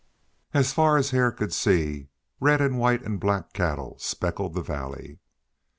As far as Hare could see red and white and black cattle speckled the valley.